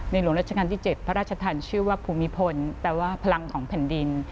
หลวงราชการที่๗พระราชทันชื่อว่าภูมิพลแปลว่าพลังของแผ่นดิน